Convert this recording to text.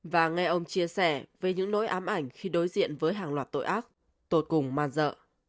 và nghe ông chia sẻ về những nỗi ám ảnh khi đối diện với hàng loạt tội ác tôi cùng man dợ